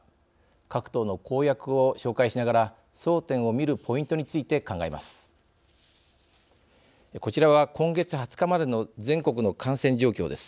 各党の公約を紹介しながら争点を見るポイントについて考えます。